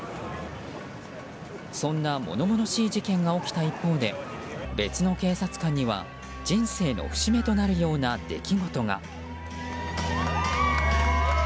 そんな物々しい事件が起きた一方で別の警察官には人生の節目となるような出来事が。